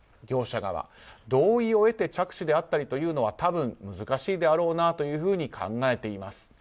業者側、同意を得て着手であったりというのは多分難しいであろうなというふうに考えています。